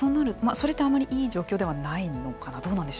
それってあまりいい状況ではないのかな。